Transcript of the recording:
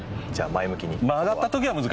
前向きに。